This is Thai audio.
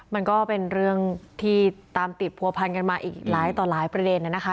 มันก็เป็นเรื่องที่ตามติดผัวพันกันมาอีกหลายต่อหลายประเด็นนะคะ